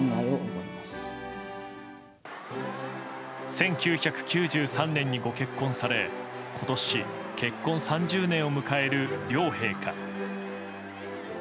１９９３年にご結婚され今年、結婚３０年を迎える両陛下。